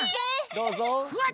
どうぞ。